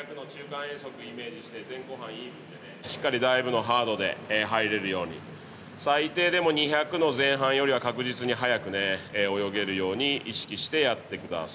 しっかりダイブのハードで入れるように最低でも２００の前半よりは確実に速く泳げるように意識してやって下さい。